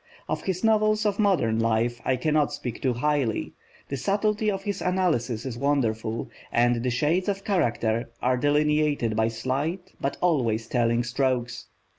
Of his novels of modern life I cannot speak too highly. The subtlety of his analysis is wonderful, and the shades of character are delineated by slight but always telling strokes.